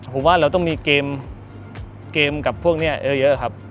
ผมว่าเราต้องมีเกมกับพวกนี้เยอะครับ